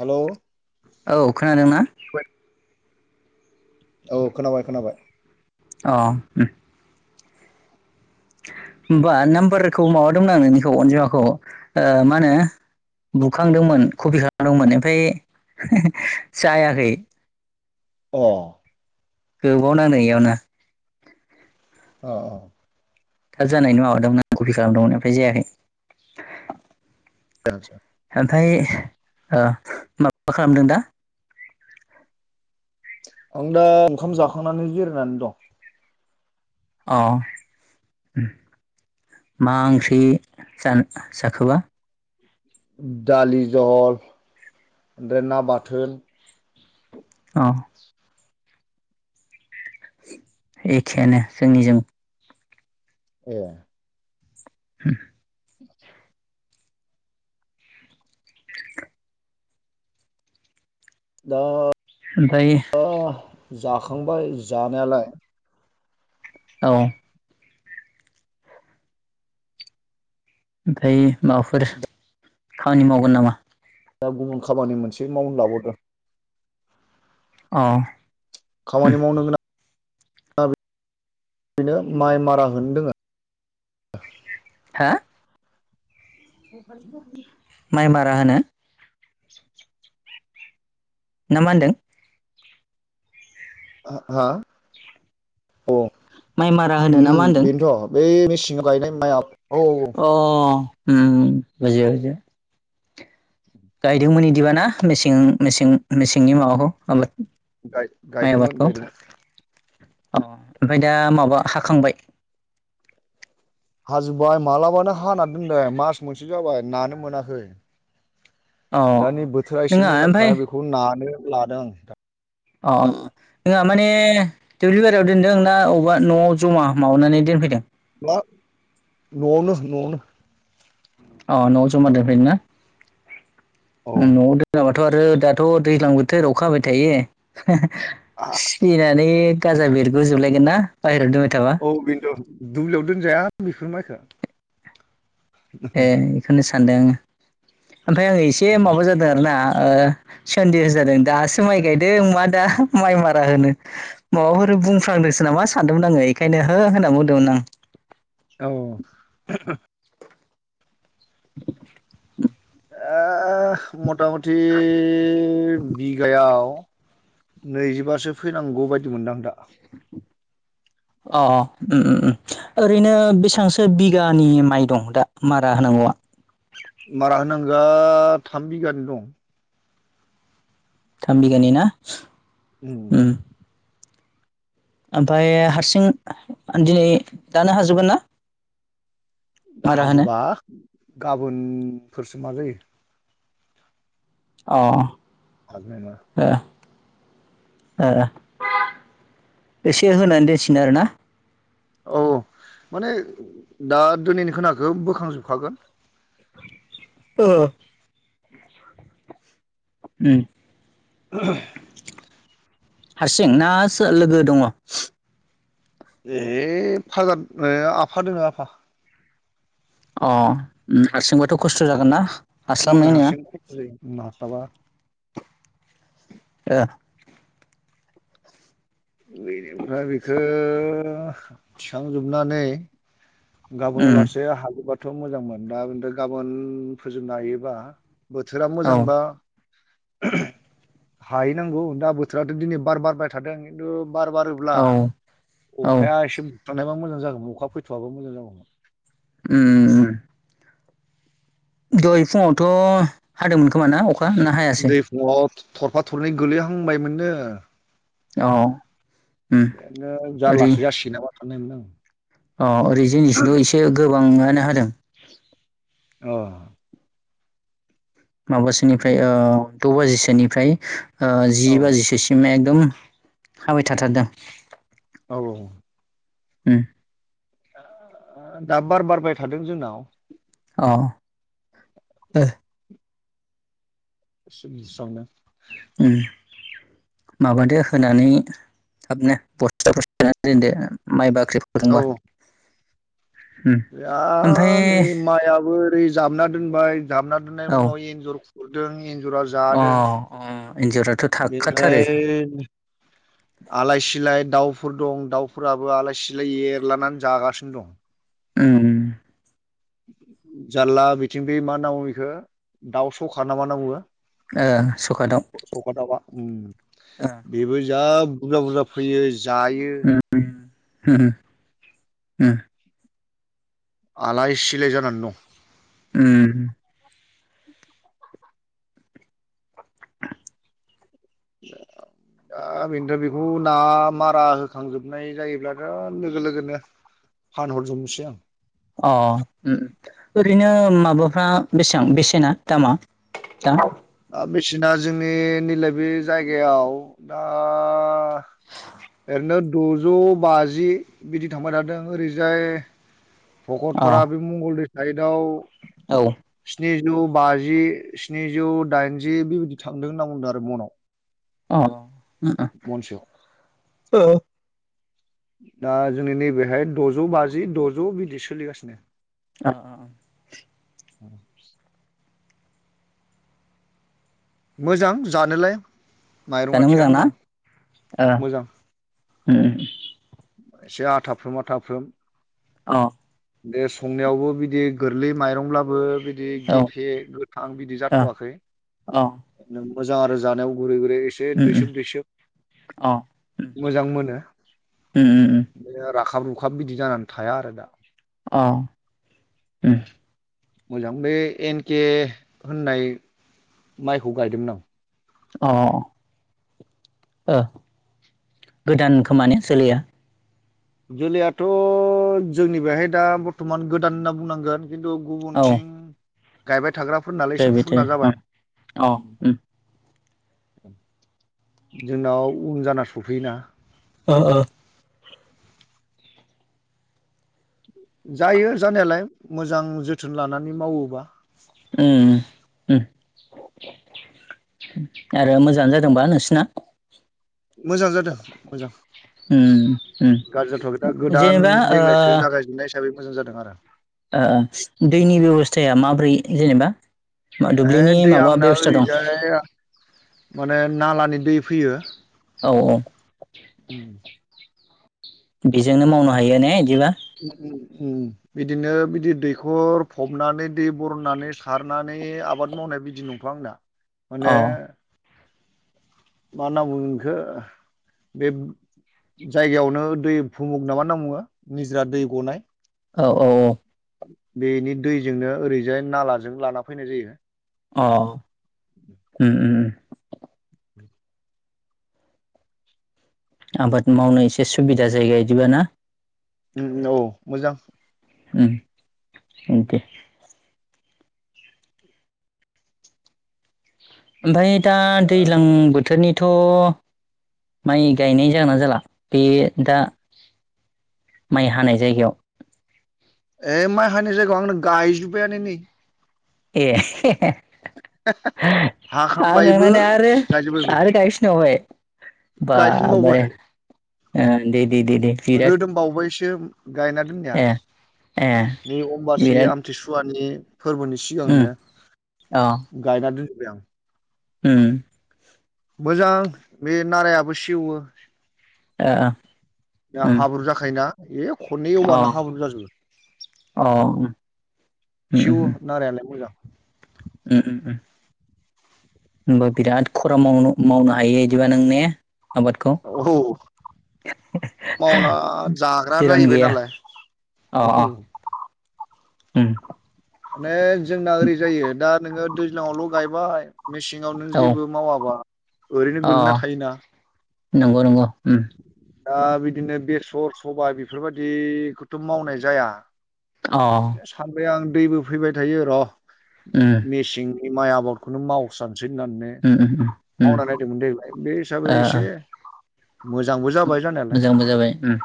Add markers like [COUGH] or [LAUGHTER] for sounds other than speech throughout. हेल'! औ खोनादों ना? औ खोनाबाय खोनाबाय। अ उम। होमबा नाम्बारखौ माबादोंमोन आं नोंनिखौ अनजिमाखौ ओ मा होनो बुखांदोंमोन कपि खालामदोंमोन ओमफ्राय जायाखै। अ गोबाव नांदों एयावनो अ अ। थाब जानायनि माबादोंमोन आ कफि खालामदोंमोन ओमाय जायाखै। [UNINTELLIGIBLE] ओमफाय ओ माबा खालामदों दा? आं दा ओंखाम जाखांनानै बेरायनानै दं। अ ओम। मा ओंख्रि जा-जाखोबा? दालि जल ओमफ्राय ना बाथोन। अ एखेआनो जोंनिजों। ए [UNINTELLIGIBLE] [INAUDIBLE] दा ओमफाय जाखांबाय जानायालाय औ। ओमफाय माबाफोर खामानि मावगोन नामा? दा गुबुन खामानि मोनसे मावनो लाबावदों। औ। खामानि मावनो गोनां बेनो माइ मारा होनो दोङो। हा? [UNINTELLIGIBLE] माइ मारा होनो? ना मा होनदों? आ हा औ माइ मारा होनो ना मा उम होनदों बेनोथ' बै मेचि थिं गायनाय माइआ औ अ उम बुजिबाय बुजिबाय गायदोंमोन इदिबा ना मेसें-मेसें मेसेंनि माबाखौ आबाद माइ आबादखौ गाय-गायदोंमोन-गायदोंमोन अ ओमफाय दा माबा हाखांबाय? हाजोबबाय मालाबानो हाना दोनदों मास मोनसे जाबाय नानो मोनाखै अ दा नै बोथोरा नोङा एसे ओमफ्राय मोजांखा बेखौ नानो लादों आं नोंथा अ नोंहा माने दुब्लिबारियाव दोनदों ना बबेबा न'आव जमा माबानानै दोनफैदों? बा न'आवनो न'आवनो अ न'आव जमा दोनफैदों ना औ उम न'आव दोनाबा दाथ' आरो दाथ' दैज्लां बोथोर अखा हाबाय थायो आ [UNINTELLIGIBLE] सिनानै गाजा बेरगुजोबलायगोन ना बायेरायाव दो औ बेन्द' दुब्लियाव दोनजाया बेफोर माइखो ए बेखौनो सानदों ओमफ्राय आङो एसे माबा जादों आरो ना ओ सनदेअ' जादों दासो माइ गायदों मा दा माइ मारा होनो माबाफोर बुंफ्लांदोंसो नामा सानदोंमोन आङो एखायनो हो होनना बुंदोंमोन आं औ ओ ओह मथा-मथि बिगायाव नैजिबासो फैनांगौ बायदि मोनदांं दा अ उम उम उम ओरैनो बेसेबांसो बिघा नि माइ दं दा मारा होनांगौआ? मारा होनांगोआ थाम बिगानि दं थामबिघानि ना? उम ओमफाय हारसिं दिनै दानो हाजोबगोन ना? दा मारा होनो हाजोबा गाबोनफोरसो मा जायो अह [UNINTELLIGIBLE] ओ ओ एसे होनानै दोनसिनो आरोना औ औ माने दा दिनैनि खोनाखो बोखांजोबखागोन ओ उम हारसिं ना सो लोगो दङ? ए फाजा आफा दोङो आफा अ उम हारसिंबाथ' खस्थ' जागोन ना? उम हास्लाबनाय नङा हारसिं जायो उनो हासाबा [UNINTELLIGIBLE] बेनिफ्राय बेखो थिखांजोबनानै गाबोन आ उम लासे हायोबाथ मोजांमोन दा बे गाबोन फोजोबनो हायोबा बोथोरा औ मोजांबा हाहैनांगौ दा बोथोराथ दिनै बार बारबाय थादों खिन्थु बार बारोब्ला औ औ अखाया एसे मुखथानायबा मोजां जागौमोन अखा फैथ आबा मोजां जागौमोन उम दहाय फुङावथ हादोंमोन खोमा ना अखा ना हायासै? दै फुङाव थरफा थरनै गोलैहांबायमोननो अह बेनो जारलासो जासिगोन नामा सानबायमोन आं अ ओरै जिनिसथ एसे गोबाङानो होदों अह माबासोनिफ्राय ओ द' बाजिसोनिफ्राय जि औ बाजिसोसिम एक एकदम हाबाय थाथारदों। औ औ। उम। दा बार- बारबाय थादों जोंनाव। अ' ओ [UNINTELLIGIBLE] स्रांनो उम माबादो होनानै थाबनो बस्था- बस्था दोनदो माइबा [UNINTELLIGIBLE] या नै माइयाबो ओरै जाबना दोनबाय जाबना दोननायनि औ उनाव एन्जर खु रदों एन्जरा अ जादों अ एन्जराथ' थाखाथारो बेनिफ्राय आलाय सिलाय दाउफोर दं दाउफोराबो आलाय- सिलाय एरलानानै जागासिनो दं। उम। जारला बिथिं बे मा नाव बेखौ दाउ सखा ना मा ओ सखादाव बुङो सखा दाउआ ओम अ बेबो जा बुरजा बुरजा फैयो। जायो उम हु हु उम आलाय सिलाय जानानै दं। ओम [UNINTELLIGIBLE] दा बेनोथ' बेखौ ना मारा होखांजोबनाय जायोब्लाथ' लोगो- लोगोनो फान हर जोबनोसै आं। अ ओम ओरैनो माबाफ्रा बेसेबां बेसेना दामा दा? दा बेसेना जोंनि नैलाय बे जायगायाव दा ओरैनो दजौ बाजि बिदि थांबाय थादों ओरैजाय भकतपारा बे मंगलदै साइदाव औ स्नि जौ बाजि, स्निजौ दाइनजि बेबायदि थांदों होनना बुंदों आरो मनाव। अ उम उम महनसेयाव औ दा जोंनि नैबेहाय दजौ बाजि दजौ बिदि सोलिगासिनो। आ [UNINTELLIGIBLE] मोजां जानोलाय। माइरङा जानो मोजां थिगानो ना? दं ओ मोजां उ उ एसे आथाफ्रोम आथाफ्रोम अ दे संनायावबो बिदि गोरलै माइरंब्लाबो बि बिदि अ गेफे गोथां बिदि अ जाथ'वाखै अ मोजां आरो जानायाव गुरै एसे दैसोब दैसोब मोजां मोनो बिदिनो राखाब- रु खाब बिदि जानानै थाया आरो दा। अ ओम। मोजां बे एनके होननाय माइखौ गायदोंमोन आं। अ' ओ गोदान खोमाने जोलैया? जोलैयाथ' जोंनि बेहाय दा बर्थमान गोदान होनना बुंनांगोन। खिन्थु औ गुबुनथिं गायबाय थाग्राफोरनाालाय एसे जाहैबाय फुरना जाबाय। थायो अ जोंनाव उन जाना सफैयोना। ओ ओ जायो जानायालाय मोजां जोथोन लानानै मावोबा ओम ओ आरो मोजाङानो जादोंबा नोंसिना? मोजां जादों मोजां गाज्रि जाथ'वाखै दा गोदान जेनेबा देग्लायथो ओ जागायजोबनाय हिसाबै मोजां जादों आरो दैनि बेब'स्थाया माब्रै जेनेबा? मा दुब्लिनि ए दैया माबा आंना बेब'स्था दं ओरैजाय माने नालानि दै फैयो। औ औ उम बेजोंनो मावनो हायो ने बिदिबा बिदिनो बिदि दैखर फबनानै दै बरनानै सारनानै आबाद मावनाय बिदि नंथ'आ आंना अ माने [INAUDIBLE] मा होनना बुंगोन बिखो बे जायगायावनो दै भुमुग नामा होनना बुङो निजोरा दै गनाय औ औ औ बेनि दैजोंनो ओरैजाय नालाजों लाना फैनाय जायो। अ ओम ओम आबाद मावनो एसे सुबिदा जायगा इदिबाना औ मोजां उम अखे ओमफ्राय दा दैज्लां बोथोरनि थ' माइ गायनाय जागोना जाला बे दा माइ हानाय जायगायाव ओ माइ हानि जायगायाव आंनो गायजोब्बायानो नै ए हाखांबायबो हाखांनानै आरो गायजोब्बायबो गायफा बावबाय बा बारे गायफिनबावबाय ओ दे दे दे दे बिराद रोदोम बावबायसो गायना दोननाया ए ए नै अमबासि बिराद आमथिसुवानि फोरबोनि उम सिगांनो अ गायना दोनजोबबाय आं उम मोजां बे नारायाबो सेवो ओ दा उम हाब्रु जाखायोना ए खननै अ एवबानो हाब्रु जाजोबो उ, उम सिउ नारायालाय मोजां ओम ओ ओ होमबा बिराद खरा मावनो मावनो हायो बिदिबा नों ने आबादखौ औ। मावना जाग्रा जिरन जाहैबाय गैया नालाय औ। ओम। माने जोंना ओरै जायो दा नोंङो दैज्लाङावल' गायबाय मेसेंआव नों औ जेबो मावाबा ओरैनो अ गोल्लैना थायोना। नंगौ नंगौ ओम। दा बिदिनो बेसर सबाय बेफोरबायाददिखौथ' मावनाय जाया। अ सानबाय आं दैबो फैबाय थायो र' उम मेसें बे माइ आबादखौनो मावसां सैनानै उम उम उम, उम, मावना नायदोंमोन देग्लाय बे ओ हिसाबै एसे मोजांबो उम, जाबाय जानायालाय। मोजांबो जाबाय उम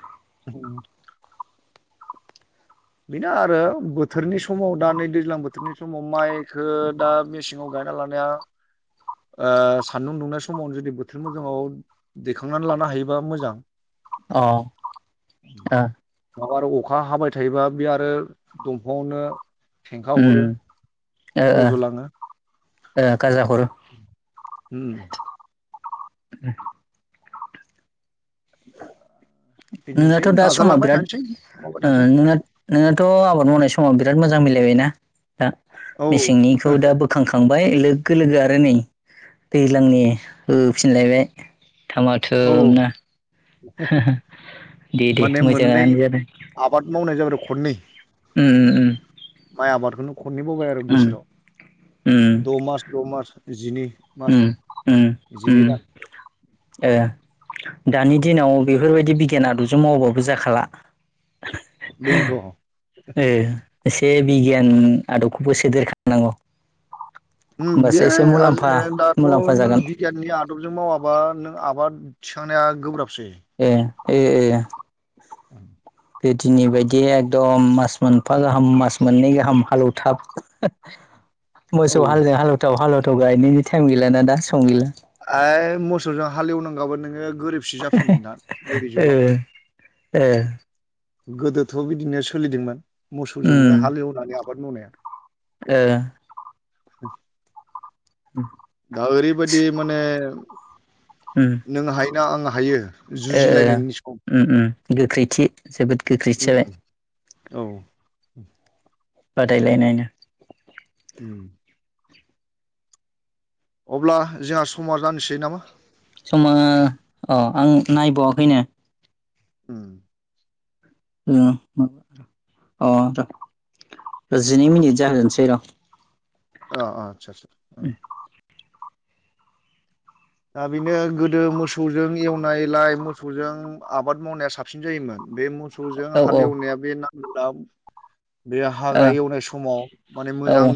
बेनो आरो बोथोरनि समाव दा नै दैज्लां बोथोरनि समाव माइखौ दा मेसेंआव गाइ गायना लानायाव ओ सान्दुं दुंनाय समावनो जुदि बोथोर मोजाङाव दैखांनानै लानो हायोबा मोजां। अ ओ। माबा आरो अखा हाबाय थायोबा बे आरो दंफांआवनो फेंखा हरो उम ओ ओ रज'लाङो होम। ओ गाजा हरो ए। [INAUDIBLE] बिदिनोसै नोंनाथ' दा समा नाजालांबाय बिराद थानोसै मावबाय ओ थानोसै नोंना नोंनाथ' आबाद मावनाय समाव बिराद मोजां मिलाय [INAUDIBLE] बायना दा औ मेसेंनिखौ दा बोखांखांबाय लोगो लोगो आरो नै दैज्लांनि होफिनलायबाय औ धामाधोमनो। माने मोननै मोजाङानो आबाद मावनाय जाबाय खननै ओ ओ। माइ आबादखौनो खननैमावबाय आरो बोसोराव द' मास द' मास जिनै। ओ मासनि ओ जिनै दान ओ। दानि दिनाव बेफोरबायदि बिगियान आदबजों मावबाबो जाखाला। बेनोथ' ओ एसे बिगियान आदबखौबो सोदेरखानांगौ उम होमबासो बे एसे आज- मुलाम्फा ओ दाथ' मुलाम्फा नों जागोन बिगियाननि आदबजों मावाबा नों आबाद थिखांनाया गोब्राब ए' ए' ए'। [INAUDIBLE] गोदोनि बायदि एकदम मास मोनफा गाहाम मास मोननै गाहाम हालेवथाब औ मोसौ हालजौ हालेवथाब हालेवथाब गायनायनि टाइम गैलाना दा। सम गैला एइ मोसौजों हालेवनांगौबा नोङो गोरिबसो जाफिनगोनदा नैबे जुगा गोदोथ' बिदिनो सोलिदोंमोन ओ उम मोसौजोंनो हालेवनानै आबाद मावनाया। ओ। दा ओरै बादि उम माने नों हायोना आं हायो ओ ओ जुजिलायनायनि ओम ओम गोख्रैथि जोबोद गोख्रैथि जाबाय ओम औ। बादायलायनायनो। ओम। अब्ला जोंहा समा जानोसै नामा? समा औ आं नायबावाखैनो। ओम। ओम हम अ र' जिनै मिनिट जोहोनोसै र' अ अ आतसा आसा दा बेनो गोदो मोसौजों एवनायलाय मोसौजों आबाद मावनाया साबसिन जायोमोन बे मोसौजों औ औ ओ हालेवनाया बे नांगोला बे हाग्रा एवनाय समाव माने औ मोजां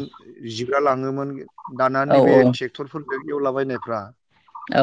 जिग्रा लाङोमोन दाना औ नैबे औ ट्रेक्टरफोरजों एवलाबायनायफ्रा औ